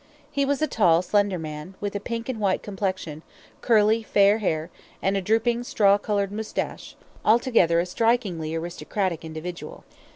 He was a tall, slender man, with a pink and white complexion, curly fair hair, and a drooping straw coloured moustache altogether a strikingly aristocratic individual.